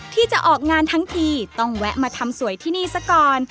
ที่จะออกงานทั้งทีต้องแวะมาทำสวยที่นี่ซะก่อน